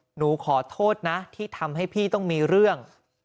หนูขอโทษนะที่ทำให้พี่ต้องมีเรื่อง